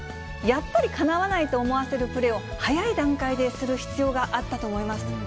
やっぱりかなわないと思わせるプレーを、早い段階でする必要があったと思います。